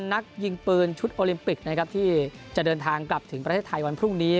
นักยิงปืนชุดโอลิมปิกนะครับที่จะเดินทางกลับถึงประเทศไทยวันพรุ่งนี้